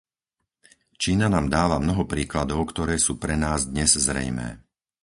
Čína nám dáva mnoho príkladov, ktoré sú pre nás dnes zrejmé.